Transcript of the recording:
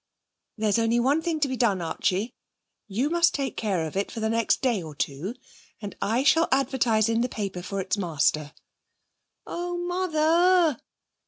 'There's only one thing to be done, Archie; you must take care of it for the next day or two, and I shall advertise in the paper for its master.' 'Oh, mother!'